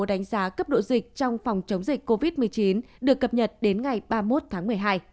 đánh giá cấp độ dịch trong phòng chống dịch covid một mươi chín được cập nhật đến ngày ba mươi một tháng một mươi hai